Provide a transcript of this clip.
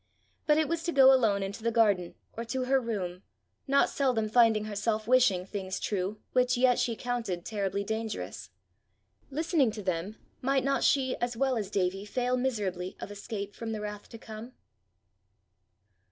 But it was to go alone into the garden, or to her room, not seldom finding herself wishing things true which yet she counted terribly dangerous: listening to them might not she as well as Davie fail miserably of escape from the wrath to come?